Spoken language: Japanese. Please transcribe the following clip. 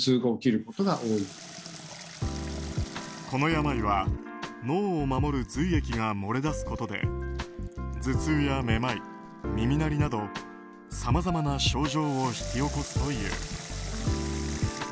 この病は、脳を守る髄液が漏れ出すことで頭痛やめまい、耳鳴りなどさまざまな症状を引き起こすという。